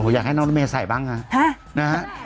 อยากให้น้องลดเมศใส่บ้างอ่ะ